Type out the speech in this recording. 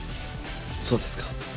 そうですか。